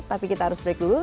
tapi kita harus break dulu